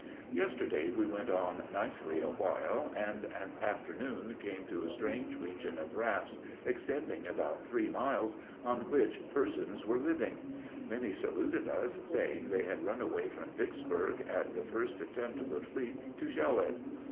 _) Yesterday we went on nicely awhile, and at afternoon came to a strange region of rafts, extending about three miles, on which persons were living. Many saluted us, saying they had run away from Vicksburg at the first attempt of the fleet to shell it.